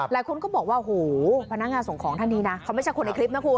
หลายคนก็บอกว่าโหพนักงานส่งของท่านนี้นะเขาไม่ใช่คนในคลิปนะคุณ